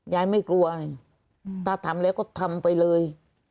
ไม่กลัวอะไรถ้าทำแล้วก็ทำไปเลย